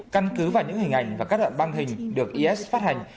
căn cứ vào những hình ảnh và các đoạn băng hình được is phát hành